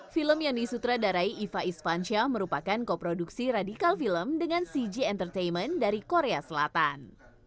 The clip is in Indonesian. film yang disutradarai iva isvansyah merupakan koproduksi radikal film dengan cg entertainment dari korea selatan